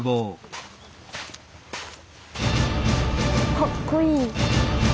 かっこいい。